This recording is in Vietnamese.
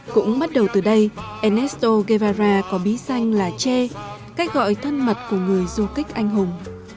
cũng bắt đầu từ đây ernesto guevara có bí danh là che cách gọi thân mật của người du kích anh hùng